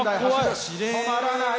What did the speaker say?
止まらない！